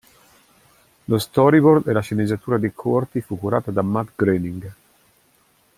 Lo storyboard e la sceneggiatura dei corti fu curata da Matt Groening.